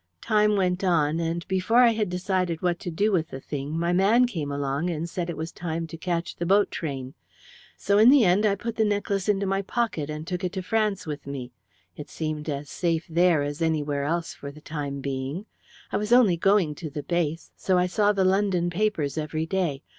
Time went on, and before I had decided what to do with the thing my man came along and said it was time to catch the boat train. So in the end I put the necklace into my pocket and took it to France with me. It seemed as safe there as anywhere else for the time being. "I was only going to the base, so I saw the London papers every day.